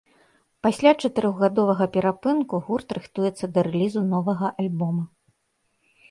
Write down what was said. Пасля чатырохгадовага перапынку гурт рыхтуецца да рэлізу новага альбома.